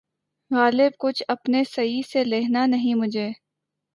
غالبؔ! کچھ اپنی سعی سے لہنا نہیں مجھے